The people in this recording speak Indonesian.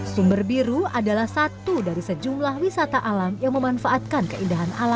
sumber biru adalah satu dari sejumlah wisata alam yang memanfaatkan keindahan alam